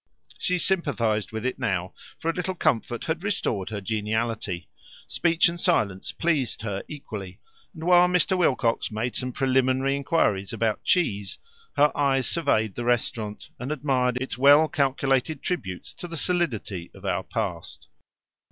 She sympathized with it now, for a little comfort had restored her geniality. Speech and silence pleased her equally, and while Mr. Wilcox made some preliminary inquiries about cheese, her eyes surveyed the restaurant, and admired its well calculated tributes to the solidity of our past.